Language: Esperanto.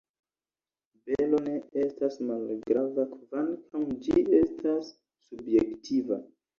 Belo ne estas malgrava, kvankam ĝi estas subjektiva.